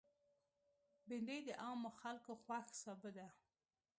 بېنډۍ د عامو خلکو خوښ سابه ده